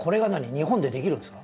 日本でできるんですか？